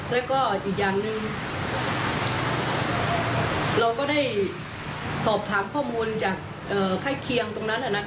แล้วก็อีกอย่างหนึ่งเราก็ได้สอบถามข้อมูลจากข้างเคียงตรงนั้น